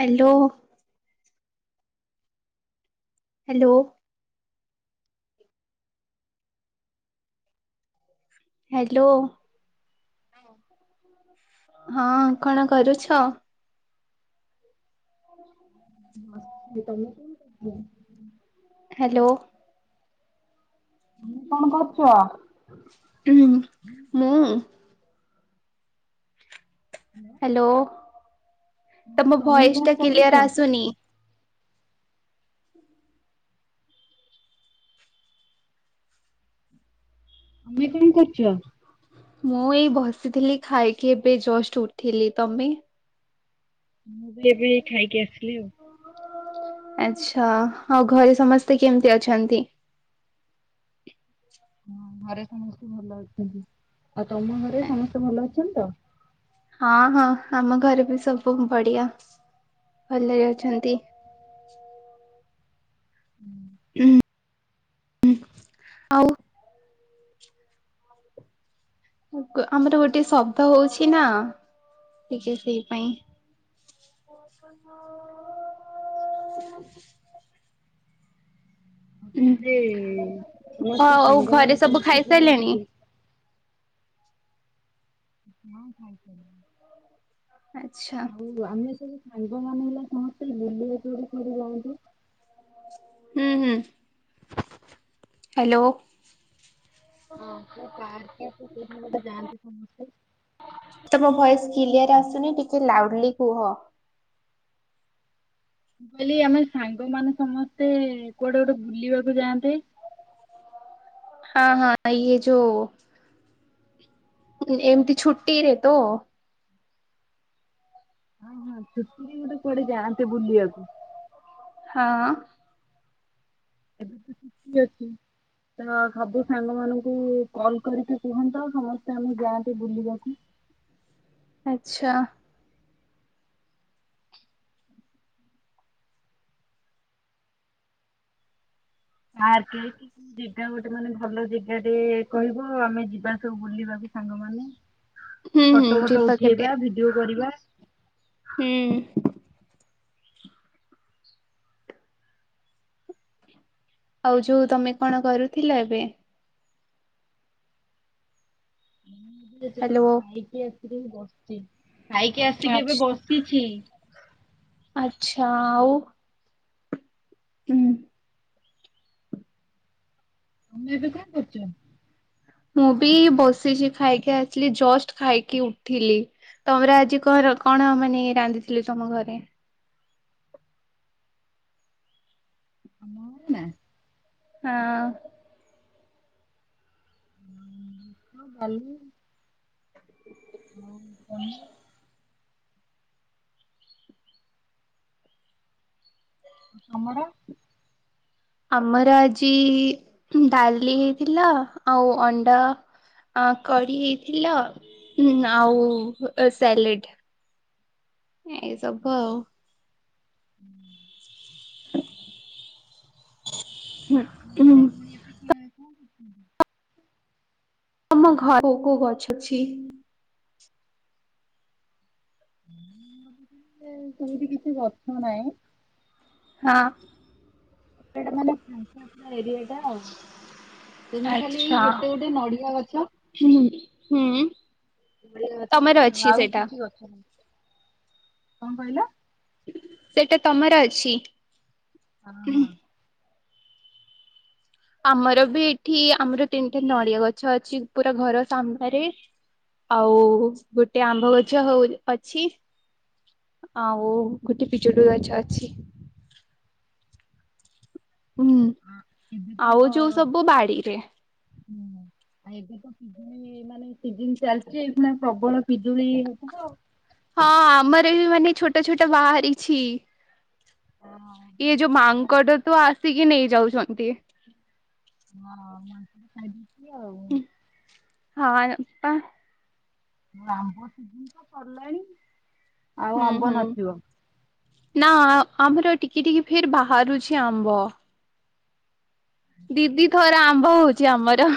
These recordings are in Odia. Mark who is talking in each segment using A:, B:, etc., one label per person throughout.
A: ହ୍ୟାଲୋ ହ୍ୟାଲୋ ହ୍ୟାଲୋ
B: ହଁ
A: ହଁ କଣ କରୁଛ?
B: ବସିଛି, ତମେ କଣ କରୁଛ?
A: ହ୍ୟାଲୋ।
B: ତମେ କଣ କରୁଛ?
A: ହୁଁ ମୁଁ?
B: [inaudible]
A: ହ୍ୟାଲୋ,
B: ମାନେ
A: ତମ
B: ତମେ
A: ଭଏସ
B: କଣ
A: ଟା
B: କରୁଛ?
A: କ୍ଲିୟର ଆସୁନି।
B: ତମେ କଣ କରୁଛ?
A: ମୁଁ ଏଇ ବସିଥିଲି ଖାଇକି ଏବେ ଜଷ୍ଟ ଉଠିଲି। ତମେ?
B: ମୁଁ ବି ଏବେ ଖାଇକି ଆସିଲି ଆଉ।
A: ଆଚ୍ଛା, ଆଉ ଘରେ ସମସ୍ତେ କେମିତି ଅଛନ୍ତି?
B: ହଁ, ଘରେ ସମସ୍ତେ ଭଲ ଅଛନ୍ତି। ଆଉ ତମ ଘରେ ସମସ୍ତେ ଭଲ ଅଛନ୍ତି ତ?
A: ହଁ ହଁ, ଆମ ଘରେ ବି ସବୁ ବଢିଆ ଭଲରେ ଅଛନ୍ତି।
B: ହୁଁ।
A: ହୁଁ ହଁ, ଆଉ ଆମର ଗୋଟେ ଶବ୍ଦ ହଉଛି ନା ଟିକେ ସେଇ ପାଇଁ। [inaudible] ହଁ ଆଉ ଘରେ ସବୁ ଖାଇସାରିଲେଣି?
B: [inaudible] ହଁ ଖାଇ ସାରିଲି।
A: ଆଚ୍ଛା।
B: ଆମେ ସବୁ ସାଙ୍ଗମାନେ ହେଲା ସମସ୍ତେ ବୁଲିବାକୁ ଗୋଟେ ଯାଆନ୍ତେ।
A: ହୁଁ ହୁଁ, ହ୍ୟାଲୋ।
B: ହଁ, କୋଉ ପାର୍କ କି କୋଉଠି କି ଗୋଟେ ଯାଆନ୍ତେ ସମସ୍ତେ।
A: ତମ ମେସର କିଲିଯର୍ ଆସୁନି ଟିକେ ଲାଉଡ୍ଲି କୁହ।
B: ମୁଁ କହିଲି ଆମେ ସାଙ୍ଗମାନେ ସମସ୍ତେ କୁଆଡ଼େ ଗୋଟେ ବୁଲିବାକୁ ଯାଆନ୍ତେ।
A: ହଁ ହଁ, ଇଏ ଯୋ ଏମିତି ଛୁଟିରେ ତ?
B: ହଁ ହଁ, ଛୁଟିରେ ଗୋଟେ କୁଆଡ଼େ ଯାଆନ୍ତେ ବୁଲିବାକୁ।
A: ହଁ।
B: ଏବେ ତ ଛୁଟି ଅଛି। ତ ସବୁ ସାଙ୍ଗ ମାନଙ୍କୁ କଲ କରିକି କୁହନ୍ତ ସମସ୍ତେ ଆମେ ଯାଆନ୍ତି ବୁଲିବାକୁ।
A: ଆଚ୍ଛା।
B: [inaudible] ଜେଗା ଗୋଟେ ମାନେ ଭଲ ଜେଗା ଟେ କହିବ ଆମେ ଯିବା ସବୁ ବୁଲିବାକୁ ସାଙ୍ଗମାନେ।
A: ହୁଁ ହୁଁ
B: ଫଟୋ ଫଟୋ
A: ଯିବା କେବେ
B: ଉଠେଇବା, ଭିଡିଓ କରିବା।
A: ହୁଁ। ଆଉ ଯୋଉ ତମେ କଣ କରୁଥିଲ ଏବେ?
B: ସେ ଯୋଉ
A: ହ୍ୟାଲୋ।
B: ଖାଇକି ଆସିକି ବସିଛି, ଖାଇକି ଆସିକି ଏବେ
A: ଆଛା
B: ବସିଛି।
A: ଆଚ୍ଛା ଆଉ? ହୁଁ।
B: ତମେ ଏବେ କଣ କରୁଛ?
A: ମୁଁ ବି ବସିଛି ଖାଇକି ଆସିଲି ଜଷ୍ଟ ଖାଇକି ଉଠିଲି। ତମର ଆଜି କଣ କଣ ମାନେ ରାନ୍ଧି ଥିଲେ ତମ ଘରେ?
B: ଆମ ଘରେ ନା?
A: ହଁ।
B: ଭାତ, ଡାଲି ଆଉ ପନିରି ଆଉ ତମର?
A: ଆମର ଆଜି ଡାଲି ହେଇଥିଲା ଆଉ ଅଣ୍ଡା ଆ କଡ଼ି ହେଇଥିଲ ଆଉ ସାଲେଡ। ଏସବୁ ଆଉ।
B: [unintelligible]
A: [unintelligible]
B: ତମର ଭାଇ ଭୁଉଣୀ ଏବେ କିଏ ଅଛନ୍ତି?
A: ତମ ଘରେ କୋଉ ଗଛ ଅଛି?
B: ଆମ ଘରେ ସେମିତି କିଛି ଗଛ ନାହିଁ।
A: ହୁଁ।
B: ସେଟା ମାନେ ଫାଙ୍କା ପୁରା ଏରିଆ ଟା ଆଉ। ସେମିତି ଖାଲି ଏଇ
A: ଆଚ୍ଛା
B: ଗୋଟେ ଗୋଟେ ନଡିଆ ଗଛ।
A: ହୁଁ ହୁଁ ତମର ଅଛି
B: [unintelligible] ଆଉ
A: ସେଇଟା।
B: କିଛି ଗଛ ନାହିଁ କଣ କହିଲ?
A: ସେଇଟା ତମର ଅଛି।
B: ହଁ ହଁ।
A: ଆମର ବି ଏଠି ଆମର ତିନିଟା ନଡିଆ ଗଛ ଅଛି ପୁରା ଘର ସାମ୍ନାରେ। ଆଉ ଗୋଟେ ଆମ୍ବ ଗଛ ହଉ ଅଛି। ଆଉ ଗୋଟେ ପିଜୁଳି ଗଛ ଅଛି। ହୁଁ
B: ଆଁ ଏବେ ତ
A: ଆଉ ଯୋଉ ସବୁ ବାଡିରେ।
B: ହୁଁ ଆଉ ଏବେ ତ ପିଜୁଳି ମାନେ ସିଜିନ୍ ଚାଲିଛି ଏଖୁଣା ପ୍ରବଳ। ପିଜୁଳି ହଉ ଥିବ।
A: ହଁ ଆମର ବି ମାନେ ଛୋଟ ଛୋଟ ବାହାରିଛି।
B: ଆଉ ହଁ,
A: ଇଏ ଯୋଉ
B: ପିଜୁଳି ମାନେ
A: ମାଙ୍କଡ଼ ତ ଆସିକି ନେଇ ଯାଉଚନ୍ତି।
B: ହଁ ମାଙ୍କଡ଼ ଖାଇ ଦୋଉଥିବେ ଆଉ।
A: ହୁଁ ହଁ ପା।
B: ଆମ୍ବ ସିଜନ୍ ତ ସରିଲାଣି। ଆଉ
A: ହୁଁ
B: ଆମ୍ବ
A: ହୁଁ
B: ନଥିବ
A: ନା ଆମର ଟିକେ ଟିକେ ପେର୍ ବାହାରୁଛି ଆମ୍ବ। ଦିଦି ଥର ଆମ୍ବ ହଉଚି ଆମର।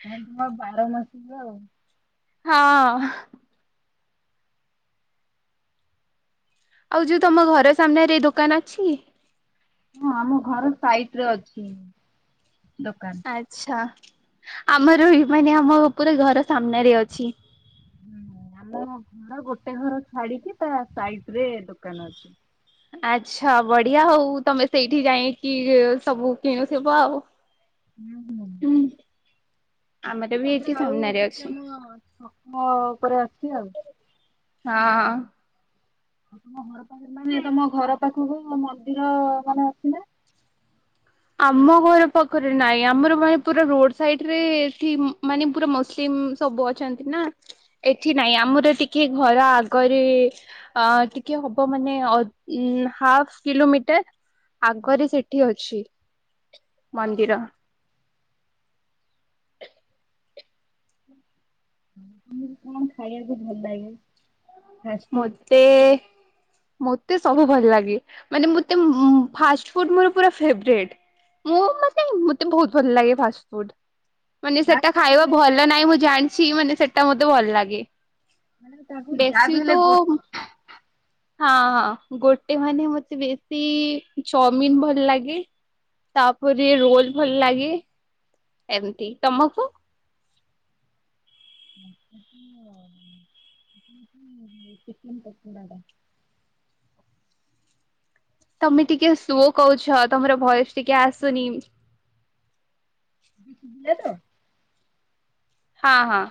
B: ତାହେଲେ ତମର ବାର ମାସିକ ଆଉ।
A: [unintelligible] ଆଉ ଯୋଉ ତମ ଘର ସାମ୍ନାରେ ଦୋକାନ ଅଛି?
B: ହଁ ଆମ ଘର ସାଇଟ୍ ରେ ଅଛି ଦୋକାନ।
A: ଆଚ୍ଛା ଆମର ବି ମାନେ ଆମ ପୁରା ଘର ସାମ୍ନାରେ ଅଛି।
B: ହୁଁ ଆମର କଣ ଅମର ଗୋଟେ ଘର ଛାଡିକି ତା ସାଇଡ୍ ରେ ଦୋକାନ ଅଛି।
A: ଆଚ୍ଛା ବଢିଆ ହଉ ତମେ ସେଇଠି ଯାଇକି ସବୁ କିଣିଥିବ ଆଉ।
B: ହୁଁ ହଁ।
A: ହୁଁ
B: ଅଛି
A: ଆମର ବି ଏଠି
B: ତାପରେ ଆଉ
A: ସାମ୍ନାରେ
B: କିଛି
A: ଅଛି।
B: ଆମ ଛକ ଉପରେ ଅଛି ଆଉ।
A: ହଁ
B: ଆଉ ତୁମ ଘର ପାଖକୁ ମାନେ ତମ ଘର ପାଖକୁ ମନ୍ଦିର ମାନେ ଅଛି ନା?
A: ଆମ ଘର ପାଖରେ ନାଇଁ ଆମର ମାନେ ପୁରା ରୋଡ଼ ସାଇଡରେ ଏଠି ମାନେ ପୁରା ମୁସଲିମ୍। ସବୁ ଅଛନ୍ତି ନା ଏଠି ନାଇଁ ଆମର ଟିକେ ଘର ଆଗରେ। ଅ ଟିକେ ହବ ମାନେ ଅ ହାପ୍ କିଲୋମିଟର୍। ଆଗରେ ସେଠି ଅଛି ମନ୍ଦିର।
B: ତମକୁ କଣ ଖାଇବାକୁ ଭଲ ଲାଗେ? ଫାଷ୍ଟଫୁଡ୍?
A: ମୋତେ ମତେ ସବୁ ଭଲ ଲାଗେ ମାନେ ମତେ ଫାଷ୍ଟ ଫୁଟ୍ ଫେ ବ୍ରେଟ। ମୁଁ ମତେ ମତେ ବହୁତ ଭଲ ଲାଗେ ଫାଷ୍ଟଫୁଟ୍। ମାନେ
B: ଯାହା
A: ସେଟା
B: ବି ହେଲେ
A: ଖାଇବା
B: ମାନେ
A: ଭଲ ନାହିଁ ମୁଁ ଜାଣିଛି ମାନେ ସେଟା ମତେ ଭଲ ଲାଗେ।
B: ମାନେ ତାକୁ ଯାହା
A: ବେଶୀ
B: ହେଲେ ଗୋ
A: ତ ହଁ ହଁ ଗୋଟେ ମାନେ ମତେ ବେଶୀ ଚାଓମିନ୍ ଭଲ ଲାଗେ। ତାପରେ ରୋଜ୍ ଭଲ ଲାଗେ। ଏମିତି ତମକୁ?
B: [inaudible]
A: ତମେ ଟିକେ ସୁୁଅ କହୁଛ ତମର ଭୟସ୍ ଟିକେ ଆସୁନି।
B: ଖିଝିଲ ତ [inaudible]
A: ହଁ ହଁ।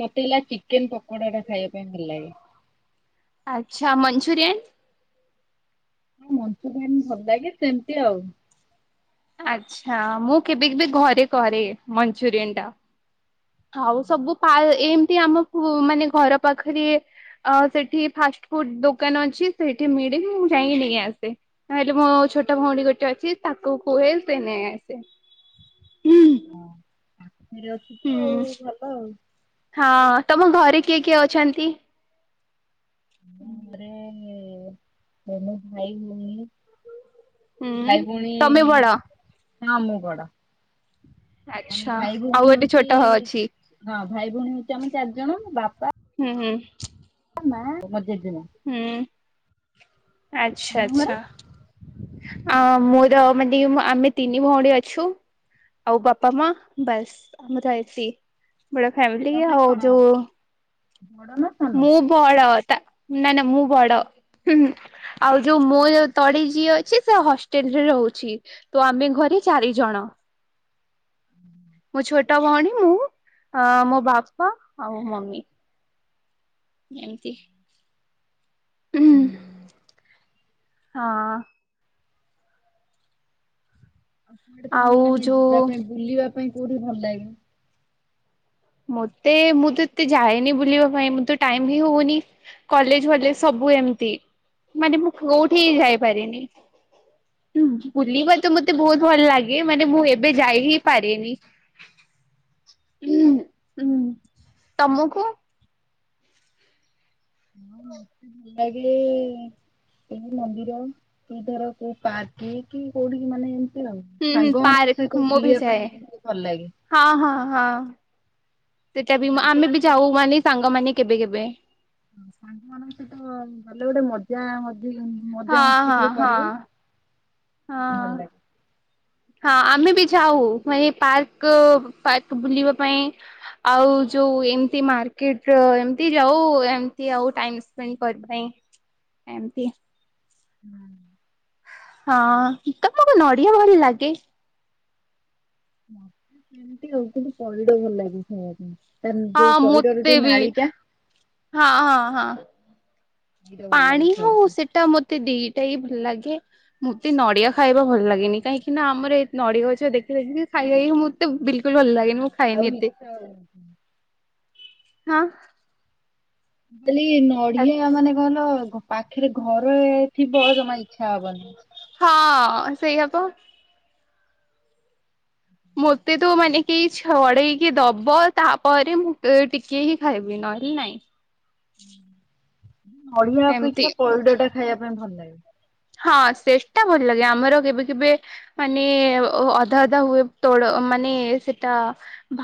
B: ମତେ ହେଲା ଚିକେନ ପକୋଡା ଟା ଖାଇବା ପାଇଁ ଭଲ ଲାଗେ।
A: ଆଚ୍ଛା ମଂଞ୍ଚୁରିିଆନ୍।
B: ମଞ୍ଚୁରିଆନ ଭଲ ଲାଗେ ସେମତି ଆଉ।
A: ଆଚ୍ଛା ମୁଁ କେବେ କେବେ ଘରେ କରେ ମଞ୍ଚୁରିୟନ ଟା। ହଉ ସବୁ ପା ଏମିତି ଆମ ମାନେ ଘର ପାଖରେ ଅ ସେଠି ଫାଷ୍ଟ ଫୁଡ ଦୋକାନ ଅଛି ସେଇଠି ମିଳି ମୁଁ ଯାଇକି ନେଇ ଆସେ। ନଲେ ମୋ ଛୋଟ ଭଉଣୀ ଗୋଟେ ଅଛି ତାକୁ କୁହେ ସେ ନେଇ ଆସେ। ହୁଁ।
B: ଖିରେ ଅଛି ତ ଆଉ ଭଲ ଆଉ।
A: ହଁ ତମ ଘରେ କିଏ କିଏ ଅଛନ୍ତି?
B: ଆମ ଘରେ ମମ ଭାଇ ହି [inaudible]
A: ହୁଁ
B: ଭାଇ ଭଉଣୀ
A: ତମେ ବଡ
B: ହଁ ମୁଁ ବଡ। ଆମ
A: ଆଚ୍ଛା
B: ଭାଇ
A: ଆଉ
B: ଭଉଣୀ
A: ଗୋଟେ
B: ହଉଛି
A: ଛୋଟ ଅଛି।
B: ହଁ ଭାଇ ଭଉଣୀ ହଉଛି ଆମ ଚାରିଜଣ ବାପା
A: ହୁଁ ହୁଁ।
B: ମା ମଝ [unintelligible] ଦିନ
A: ହୁଁ
B: ଆମ
A: ଆଚ୍ଛା
B: ଘରେ
A: ଆଚ୍ଛା। ଆ ମୋର ମାନେ ଦି ଆମେ ତିନି ଭଉଣୀ ଅଛୁ। ଆଉ ବାପା ମା ବାସ୍ ଆମର ଏତି ବଡ ଫାମି
B: ତମେ କଣ ବଡ ନା? ସାନ?
A: ମୁଁ ବଡ ତା ନା ନା ମୁଁ ବଡ ହୁଁ ହୁଁ। ଆଉ ଯୋଉ ମୋଉ ତଳେ ଯିଅ ଅଛି ସେ ହଷ୍ଟେଲ ରେ ରହୁଛି। ତ ଆମେ ଘରେ ଚାରି ଜଣ।
B: ହୁଁ
A: ମୋ ଛୋଟ ଭଉଣୀ ମୁଁ ମୋ ବାପା ଆଉ ମମି। ଏମିତି। ଉହୁଁ ହଁ।
B: ଆଉ ସେଆଡେ ତମକୁ
A: ଆଉ
B: ମାନେ
A: ଯୋଉ
B: ଯିବା ପାଇଁ ବୁଲିବା ପାଇଁ କୋଉଠି ଭଲ ଲାଗେ?
A: ମତେ ମୁଁ ତ ଏତେ ଯାଏନି ବୁଲିବା ପାଇଁ ମୁଁ ତ ଟାଇମ ହିଁ ହଉନି। କଲେଜ ଫଲେଜ ସବୁ ଏମିତି ମାନେ ମୁଁ କୋଉଠି ଯାଇପାରିନି। ବୁଲିବା ତ ମତେ ବହୁତ ଭଲ ଲାଗେ ମାନେ ମୁଁ ଏବେ ଯାଇ ହି ପାରେନି। ହୁଁ ହୁଁ ତମକୁ?
B: ହଁ ରାଗିଲେ ଏ ଏଇ ମନ୍ଦିର କି ଧର କୋଉ ପାର୍କ କି କୋଉଠି ମାନେ ଏମତି ଆଉ
A: ହୁଁ ହୁଁ
B: ସାଙ୍ଗ ମାନଙ୍କ ସହିତ
A: ପାର୍କ ମୁଁ ବି
B: ବୁଲିବା ପାଇଁ
A: ଯାଏ।
B: ବୋହୁତ ଭଲ ଲାଗେ-
A: ହଁ ହଁ ହଁ ସେଟା ବି ମ ଆମେ ବି
B: ସାଙ୍ଗମାନଙ୍କ
A: ଯାଉ ମାନେ ସାଙ୍ଗମାନେ କେବେ କେବେ-
B: ହଁ ସାଙ୍ଗ ମାନଙ୍କ ସହିତ ଗଲେ ଗୋଟେ ମଜ ଯା ମଜି ମଜା
A: ହଁ
B: ମସ୍ତି
A: ହଁ
B: ଟିକେ
A: ହଁ
B: କରିବ, ଭଲ
A: ହଁ।
B: ଲାଗେ
A: ହଁ ଆମେ ବି ଯାଉ ମାନେ ପାର୍କ ପାର୍କ ବୁଲିବା ପାଇଁ ଆଉ ଯୋଉ ଏମତି ମାର୍କେଟ ଏମତି ଯାଉ ଏମତି ଆଉ ଟାଇମ୍ କରିବା ପାଇଁ ଏମିତି
B: ହୁଁ
A: ହଁ ତମକୁ ନଡିଆ ଭଲ ଲାଗେ
B: ମତେ ସେମତି ଆଉ କିନ୍ତୁ ପଇଡ ଭଲ ଲାଗେ ଖାଇବା ପାଇଁ, ତାର
A: ହଁ
B: ଯୋଉ ପଇଡର
A: ମତେ
B: ଯୋଉ
A: ବି
B: ନାଳି ଟା
A: ହଁ ହଁ ହଁ
B: ସେଇଟା ଭଲ ଲାଗେ
A: ପାଣି
B: ଖାଇବା
A: ହଉ
B: ପାଇଁ
A: ସେଟା ମତେ ଦିଇଟା ହି ଭଲ ଲାଗେ ମତେ ନଡିଆ ଖାଇବା ଭଲ ଲାଗେନି କାହିଁକି ନା ଆମର ଏ ନଡିଆ ଗଛ ଦେଖିଲେ ଦେଖି ଖାଇାଇକି ମୁଁ ତେ ବିଲକୁଲ ଭଲ ଲାଗେନି -
B: ଆଉ ଇଚ୍ଛା ହଉନି
A: ହଁ
B: କାଲି ନଡିଆ ମାନେ କଁ କହିଲ ପାଖରେ ଘରେ ଥିବ ଜମା ଇଚ୍ଛା ହବନି-
A: ହଁ ସେଇଆ ପା ମୋତେ ତ ମାନେ କେହି ଛଡେଇକି ଦବ ତାପରେ ମୁଁ ଟିକେ ହିଁ ଖାଇବି ନହେଲେ ନାଇଁ
B: ନଡିଆ
A: ଏମିତି
B: ଅପେକ୍ଷା ପଇଡ ଟା ଖାଇବା ପାଇଁ ଭଲ ଲାଗେ
A: ହଁ ସେଟା ଭଲ ଲାଗେ ଆମର କେବେ କେବେ ମାନେ ଅଧା ଅଧା ହୁଏ ତୋଳ ମାନେ ସେଟା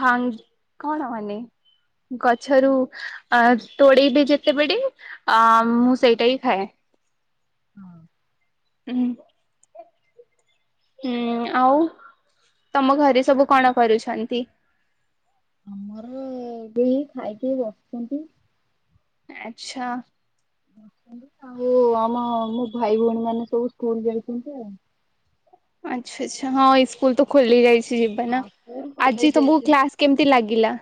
A: ଭାଙ୍ଗ- କଣ ମାନେ ଗଛରୁ ଅ ତୋଳେଇବେ ଯେତେବେଳେ ଅ
B: ହଁ
A: ମୁଁ ସେଇଟା ହି ଖାଏ
B: ହଁ
A: ହୁଁ ହୁଁ ଆଉ ତମ ଘରେ ସବୁ କଣ କରୁଛନ୍ତି?
B: ଆମର ଏବେ ଖାଇକି ବସିଛନ୍ତି
A: ଆଛା
B: ଅଛନ୍ତି ଆଉ ଆମ ମୋ ଭାଇ ଭଉଣୀ ମାନେ ସବୁ ସ୍କୁଲ ଯାଇଛନ୍ତି ଆଉ
A: ଆଛା ଆଛା ହଁ ଇସ୍କୁଲ ତ- ଖୋଲି ଯାଇଛି ଯିବେ ନା,
B: ହଁ ସ୍କୁଲ
A: ଆଜି
B: କଲେଜ
A: ତମକୁ
B: ଯାଇଛନ୍ତି।
A: କ୍ଲାସ କେମିତି ଲାଗିଲା?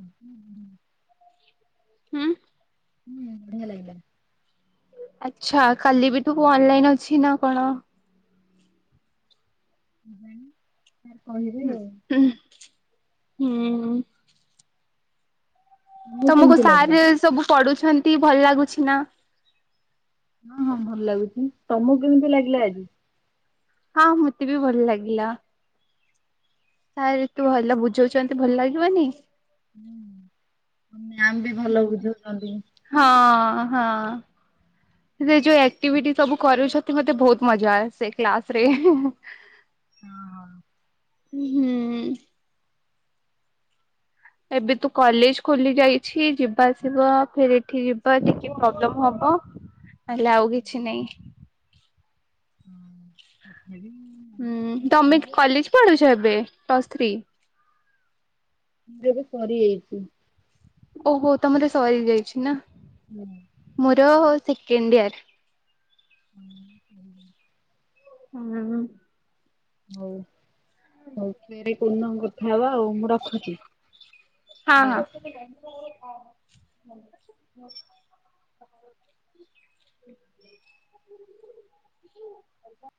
B: ହୁଁ ହୁ ହୁଁ
A: ହୁଁ
B: ହୁଁ ବଢିଆ ଲାଗିଲା
A: ଆଛା କାଲି ବି ତୁବ୍ ପ ଅନଲାଇନ ଅଛି ନା କଣ?
B: କହିବି ଆଉ
A: ହୁଁ ହୁଁ - ହୁଁ ଉ ତମକୁ
B: କେମିତି ଲାଗିଲା?
A: [unintelligible] ସବୁ ପଡୁଛନ୍ତି ଭଲ ଲାଗୁଛି ନା?
B: ହଁ ହଁ ଭଲ ଲାଗୁଚି, ତମକୁ କେମିତି ଲାଗିଲା ଆଜି?
A: ହଁ ମୋତେ ବି ଭଲ ଲାଗିଲା ସାର୍ ଏତେ ଭଲ ବୁଝଉଛନ୍ତି ଭଲ ଲାଗିବନି
B: ହୁଁ ମ୍ୟାମ୍ ବି ଭଲ
A: ହୁଁ
B: ବୁଝଉଚନ୍ତି
A: ହଁ ହଁ। ସେ ଯୋଉ ଆକ୍ଟିଭିଟି ସବୁ କରୁଛ ମତେ ବହୁତ୍ ମଜା ସେ କ୍ଲାସ୍ ରେ [unintelligible] [inaudible]
B: ହଁ ହଁ।
A: ହୁ ହୁଁ ଏବେ ତୁ କଲେଜ୍ ଖୋଲି ଯାଇଛି ଯିବା ଆସିବା ଫେର୍ ଏଠି ଯିବା ଟିକେ ପ୍ରୋବ୍ଲେମ୍ ହବ ନହେଲେ ଆଉ କିଛି ନାଇଁ।
B: ହଁ [unintelligible]
A: ଉଁ
B: କରିବାକୁ
A: ତମେ
B: ପଡିବ
A: କଲେଜ୍ ପଢୁଛ ଏବେ ପ୍ଲସ୍ ଥ୍ରୀ?
B: ମୁଁ [unintelligible] ଏବେ ସରିଯାଇଚି।
A: ଓହୋ ତମର ସରି ଯାଇଛି ନା।
B: ହୁଁ
A: ମୋର ହୋ ସେକେଣ୍ଡ୍ ଇୟର୍।
B: ହୁଁ ହୁଁ।
A: [unintelligible]
B: ହଉ ହଉ ଫେରେ କୋଉ ନମ୍ବର୍ ହବ ଆଉ ମୁଁ ରଖୁଚି
A: ହଁ
B: ବାଏ।
A: ହଁ। [unintelligible] [unintelligible]